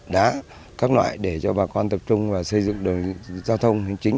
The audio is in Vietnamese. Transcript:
đá các loại để cho bà con tập trung và xây dựng được giao thông hình chính